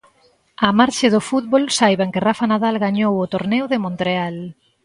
Á marxe do fútbol saiban que Rafa Nadal gañou o Torneo de Montreal.